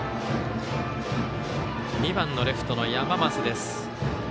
２番のレフトの山増です。